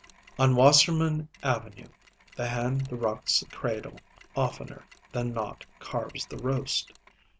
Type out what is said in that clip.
On Wasserman Avenue the hand that rocks the cradle oftener than not carves the roast.